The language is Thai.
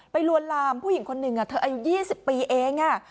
ลวนลามผู้หญิงคนหนึ่งเธออายุ๒๐ปีเอง